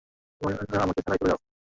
তোমরা আমাকে ছাড়াই চলে যাও।